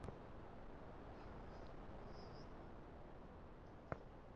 তিনি একজন বুদ্ধিমান ও আনুগত্যকারী লেখক চেয়েছিলেন।